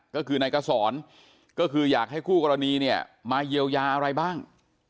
ก็คือนายกษรก็คืออยากให้คู่กรณีเนี่ยมาเยียวยาอะไรบ้าง